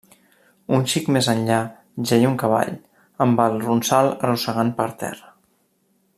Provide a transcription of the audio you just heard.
Un xic més enllà, jeia un cavall, amb el ronsal arrossegant per terra…